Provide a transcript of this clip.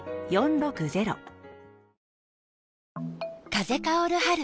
風薫る春。